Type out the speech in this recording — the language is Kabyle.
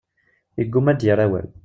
Yeggumma ad d-yerr awal.